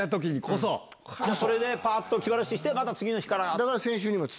パっと気晴らししてまた次の日から。